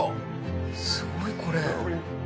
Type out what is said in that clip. すごいこれ。